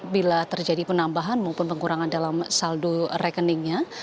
bila terjadi penambahan maupun pengurangan dalam saldo rekeningnya